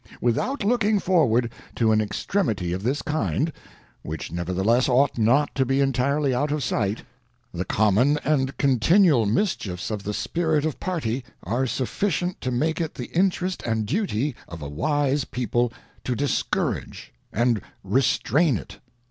Without looking forward to an extremity of this kind, (which nevertheless ought not to be entirely out of sight), the common and continual mischiefs of the spirit of Party are sufficient to make it the interest and duty of a wise People to discourage and restrain it.